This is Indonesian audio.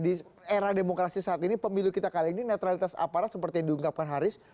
di era demokrasi saat ini pemilu kita kali ini netralitas aparat seperti yang diungkapkan haris